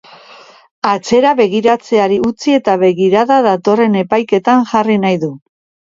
Atzera begiratzeari utzi eta begirada datorren epaiketan jarri nahi du.